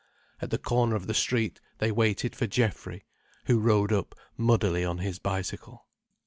At the corner of the street they waited for Geoffrey, who rode up muddily on his bicycle.